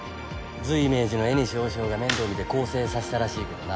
随明寺の江西和尚が面倒見て更生させたらしいけどな。